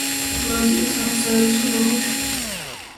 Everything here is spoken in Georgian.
ლატვიას აქვს საელჩო ბაქოში.